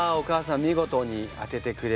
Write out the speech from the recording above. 見事に当ててくれましたね。